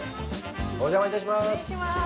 お邪魔いたします。